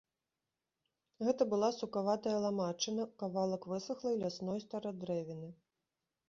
Гэта была сукаватая ламачына, кавалак высахлай лясной старадрэвіны.